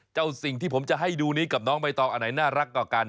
สิ่งที่ผมจะให้ดูนี้กับน้องใบตองอันไหนน่ารักกว่ากัน